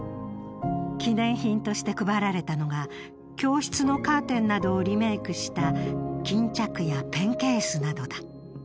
記念品として配られたのが教室のカーテンなどをリメイクした巾着やペンケースなとだ。